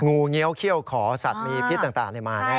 งูเงี้ยวเขี้ยวขอสัตว์มีพิษต่างมาแน่